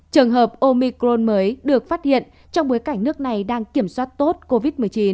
trường hợp omicron mới được phát hiện trong bối cảnh nước này đang kiểm soát tốt covid một mươi chín